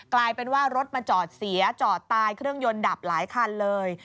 กลายเป็นว่ารถมาจอดเสียจอดตายเครื่องยนต์ดับหลายคันเลย